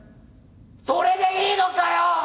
それでいいのかよ！